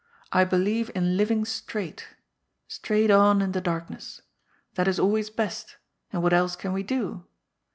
I believe in living straight. Straight on in the darkness. That is always best, and what else can we do